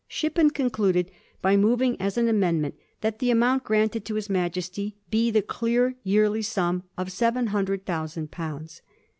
Shippen concluded by moving as an amendment that the amount granted to his Majesty be the dear yearly sum of seven himdred thousand pounds.